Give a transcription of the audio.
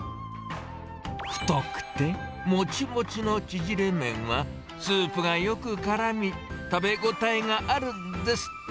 太くて、もちもちの縮れ麺は、スープがよくからみ、食べ応えがあるんです。